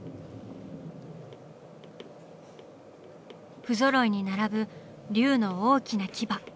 不ぞろいに並ぶ龍の大きな牙。